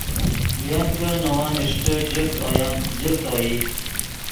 ین کہ نے ون اݰٹے جفت اویم، جفت اوئی